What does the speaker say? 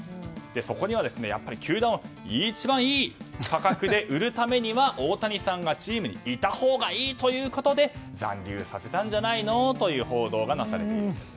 そこには、球団を一番いい価格で売るためには大谷さんがチームにいたほうがいいということで残留させたんじゃないのという報道がされているんです。